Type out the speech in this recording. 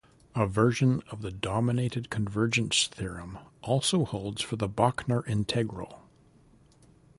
A version of the dominated convergence theorem also holds for the Bochner integral.